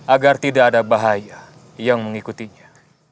agar tidak ada bahaya yang mengikutinya